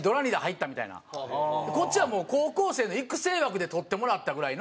こっちはもう高校生の育成枠で取ってもらったぐらいの。